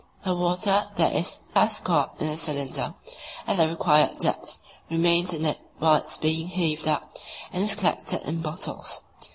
The water that is thus caught in the cylinder at the required depth remains in it while it is being heaved up, and is collected in bottles.